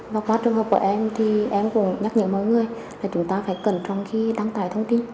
và qua trường hợp của em thì em cũng nhắc nhở mọi người là chúng ta phải cẩn trọng khi đăng tải thông tin